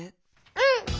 うん！